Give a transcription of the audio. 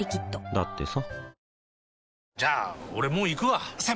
だってさ